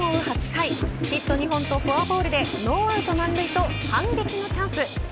８回ヒット２本フォアボールでノーアウト満塁と反撃のチャンス。